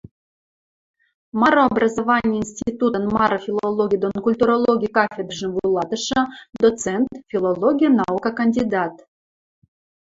Мары образовани институтын мары филологи дон культурологи кафедрӹжӹм вуйлатышы, доцент, филологи наука кандидат